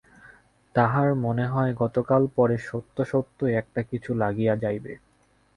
তাহার মনে হয়, এতকাল পরে সত্য-সত্যই একটা কিছু লাগিয়া যাইবে।